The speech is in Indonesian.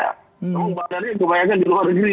namun bandarnya kebanyakan di luar negeri